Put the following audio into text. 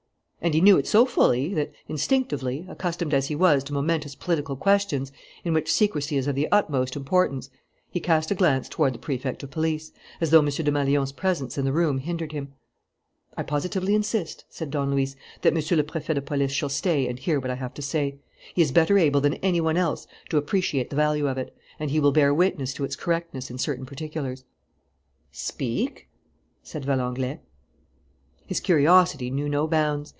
And he knew it so fully that, instinctively, accustomed as he was to momentous political questions in which secrecy is of the utmost importance, he cast a glance toward the Prefect of Police, as though M. Desmalions's presence in the room hindered him. "I positively insist," said Don Luis, "that Monsieur le Préfet de Police shall stay and hear what I have to say. He is better able than any one else to appreciate the value of it; and he will bear witness to its correctness in certain particulars." "Speak!" said Valenglay. His curiosity knew no bounds.